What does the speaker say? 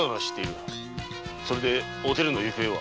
それでおてるの行方は？